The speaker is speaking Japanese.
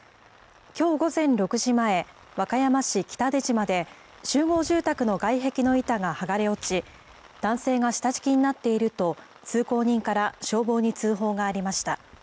きょう午前６時前、和歌山市北出島で集合住宅の外壁の板が剥がれ落ち、男性が下敷きになっていると、通行人から消防に通報がありました。